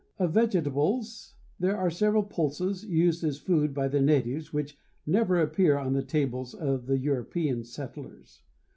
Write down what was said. Of vegetables there are several pulses used as food by the natives which never appear on the tables of the European settlers.